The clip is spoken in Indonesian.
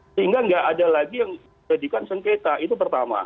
sehingga nggak ada lagi yang jadikan sengketa itu pertama